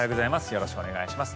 よろしくお願いします。